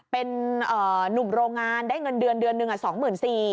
เป็นนุ่มโรงงานได้เงินเดือน๑อ่ะ๒๔๐๐๐บาท